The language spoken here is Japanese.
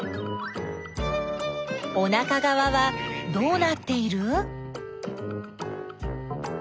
おなかがわはどうなっている？